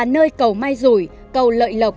nơi cầu mai rủi cầu lợi lộc